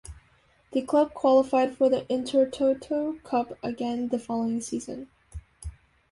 The club qualified for the Intertoto Cup again the following season.